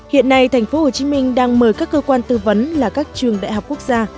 hiện nay tp hcm đang mời các cơ quan tư vấn là các trường đại học quốc gia